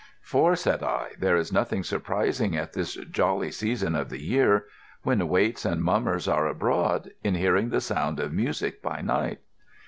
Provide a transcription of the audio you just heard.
"For," said I, "there is nothing surprising at this jolly season of the year, when waits and mummers are abroad, in hearing the sound of music by night."